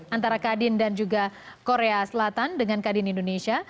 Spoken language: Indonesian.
antara kadin dan juga korea selatan dengan kadin indonesia